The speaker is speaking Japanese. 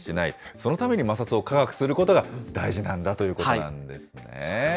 そのために摩擦を科学することが大事なんだということなんですね。